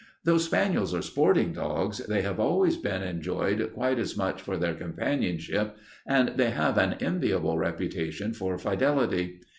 "Though spaniels are sporting dogs, they have always been enjoyed quite as much for their companionship, and they have an enviable reputation for fidelity.